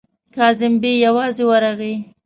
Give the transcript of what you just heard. کازم بې یوازې ورغی.